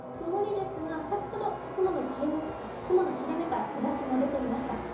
曇りですが、先ほど雲の切れ目から日ざしも出ていました。